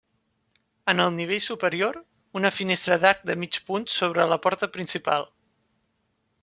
En el nivell superior, una finestra d'arc de mig punt sobre la porta principal.